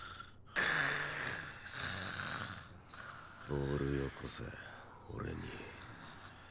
ボールよこせ俺に。